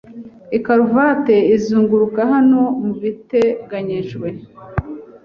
Ikaruvati izunguruka hano mubiteganijwe